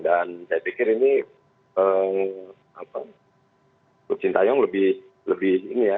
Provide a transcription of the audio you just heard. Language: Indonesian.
dan saya pikir ini lutfi tayong lebih ini ya